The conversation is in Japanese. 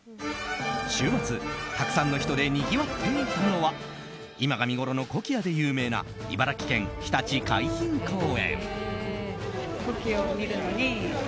週末たくさんの人でにぎわっていたのは今が見ごろのコキアで有名な茨城県ひたち海浜公園。